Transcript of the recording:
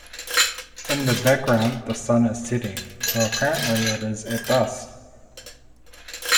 In the background the sun is setting, so apparently it is at dusk.